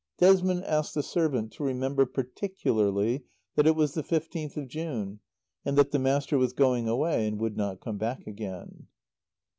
Desmond asked the servant to remember particularly that it was the fifteenth of June and that the master was going away and would not come back again.